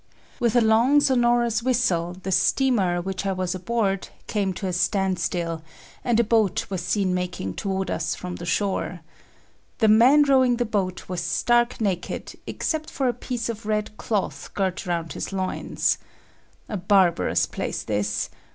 With a long, sonorous whistle the steamer which I was aboard came to a standstill, and a boat was seen making toward us from the shore. The man rowing the boat was stark naked, except for a piece of red cloth girt round his loins. A barbarous place, this!